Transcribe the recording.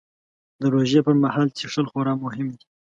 د روژې پر مهال څښل خورا مهم دي